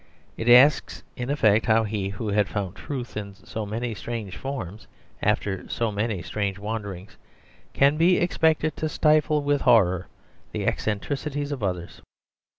It asks in effect how he, who had found truth in so many strange forms after so many strange wanderings, can be expected to stifle with horror the eccentricities of others.